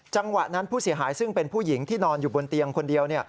จังหวะนั้นผู้เสียหายซึ่งเป็นผู้หญิงที่นอนอยู่บนเตียงคนเดียว